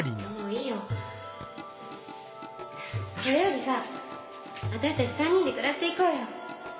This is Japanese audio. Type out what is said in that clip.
それよりさ私たち３人で暮らしていこうよ。